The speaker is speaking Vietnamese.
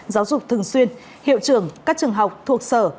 giáo dục thường xuyên hiệu trường các trường học thuộc sở